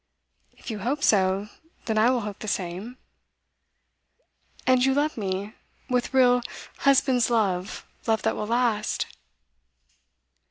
'If you hope so, then I will hope the same.' 'And you love me with real, husband's love love that will last?